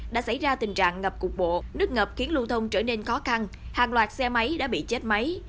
đã xảy ra tình trạng ngập cục bộ nước ngập khiến lưu thông trở nên khó khăn hàng loạt xe máy đã bị chết máy